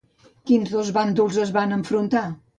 Quins dos bàndols es van enfrontar?